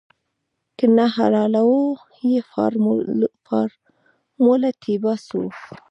که نه حلالوو يې فارموله تې باسو.